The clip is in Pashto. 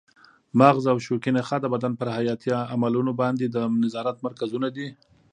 مغز او شوکي نخاع د بدن پر حیاتي عملونو باندې د نظارت مرکزونه دي.